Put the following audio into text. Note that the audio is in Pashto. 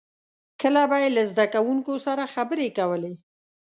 • کله به یې له زدهکوونکو سره خبرې کولې.